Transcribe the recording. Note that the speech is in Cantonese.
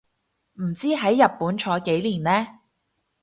唔知喺日本坐幾年呢